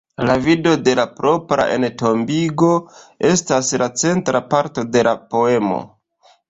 La vido de la propra entombigo, estas la centra parto de la poemo.